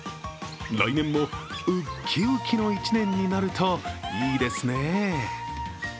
来年もウッキウキの１年になるといいですね。